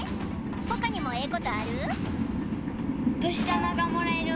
ほかにもええことある？